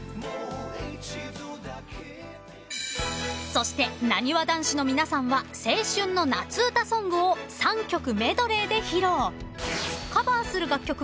［そしてなにわ男子の皆さんは青春の夏うたソングを３曲メドレーで披露］